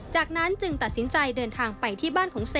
จากนั้นจึงตัดสินใจเดินทางไปที่บ้านของเส